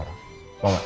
jadi kita mau ngajakin